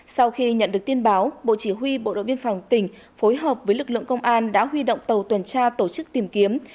sau khi nhận được tin báo bộ chỉ huy bộ đội biên phòng tỉnh phối hợp với lực lượng công an đã huy động tàu tuần tra tổ chức tìm kiếm